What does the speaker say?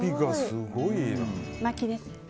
まきです。